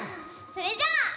それじゃあ。